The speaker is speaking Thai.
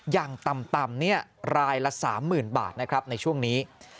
อย่างต่ำรายละ๓๐๐๐บาทนะครับในช่วงนี้